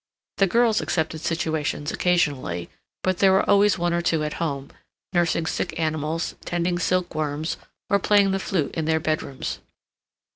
The girls accepted situations occasionally, but there were always one or two at home, nursing sick animals, tending silkworms, or playing the flute in their bedrooms.